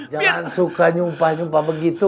jangan suka nyumpah nyumpah begitu